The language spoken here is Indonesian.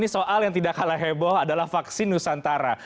soal yang tidak kalah heboh adalah vaksin nusantara